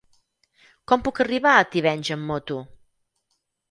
Com puc arribar a Tivenys amb moto?